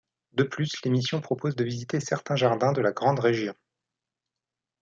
De plus, l’émission propose de visiter certains jardins de la grande région.